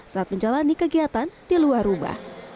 saat menjalani kegiatan di luar rumah